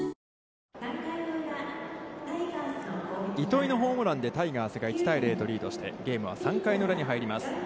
糸井のホームランでタイガースが１対０とリードしてゲームは３回裏に入ります。